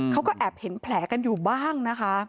เขาก็แอบเห็นแผลกันอยู่บ้างนะคะ